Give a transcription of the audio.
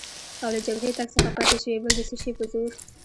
او له جبهې تګ څخه پاتې شوې، بل د څه شي په زور؟